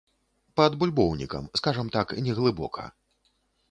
Пад бульбоўнікам, скажам так, не глыбока.